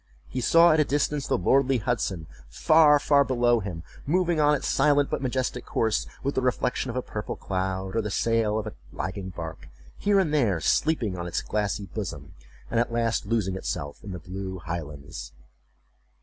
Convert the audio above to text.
He saw at a distance the lordly Hudson, far, far below him, moving on its silent but majestic course, with the reflection of a purple cloud, or the sail of a lagging bark, here and there sleeping on its glassy bosom, and at last losing itself in the blue highlands.